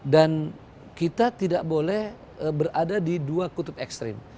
dan kita tidak boleh berada di dua kutub ekstrim